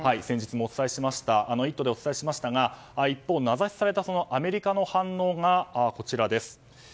先日も「イット！」でお伝えしましたが一方、名指しされたアメリカの反応がこちらです。